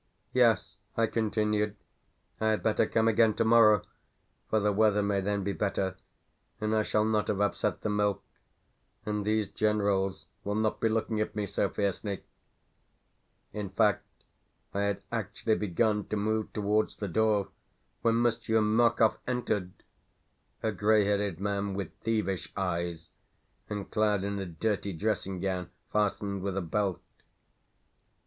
"Yes," I continued, "I had better come again tomorrow, for the weather may then be better, and I shall not have upset the milk, and these generals will not be looking at me so fiercely." In fact, I had actually begun to move towards the door when Monsieur Markov entered a grey headed man with thievish eyes, and clad in a dirty dressing gown fastened with a belt.